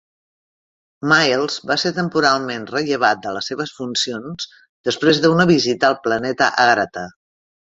Miles va ser temporalment rellevat de les seves funcions després d'una visita al planeta Argratha.